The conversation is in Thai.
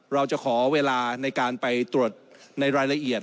เราจะขอเวลาในการไปตรวจในรายละเอียด